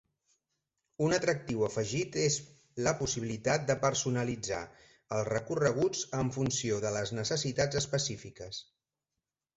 Un atractiu afegit és la possibilitat de personalitzar els recorreguts en funció de les necessitats específiques.